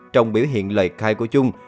trong biểu hiện lời khai của trung